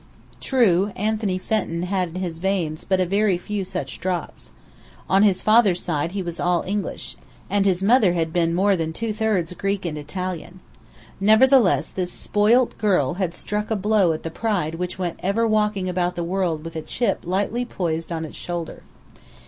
True, Anthony Fenton had in his veins but very few such drops. On his father's side he was all English, and his mother had been more than two thirds Greek and Italian. Nevertheless this spoilt girl had struck a blow at the pride which went ever walking about the world with a chip lightly poised on its shoulder.